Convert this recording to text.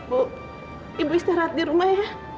bu ibu istirahat di rumah ya